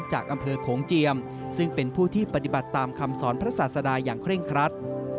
จากอำเภอโขงเจียมซึ่งเป็นผู้ที่ปฏิบัติตามคำสอนพระศาสดาอย่างเคร่งครัด